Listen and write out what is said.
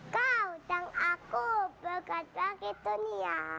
kau dan aku berkat bagi dunia